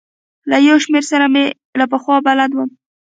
له یو شمېرو سره مې له پخوا بلد وم.